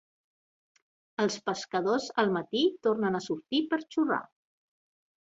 Els pescadors al matí tornen a sortir per xorrar.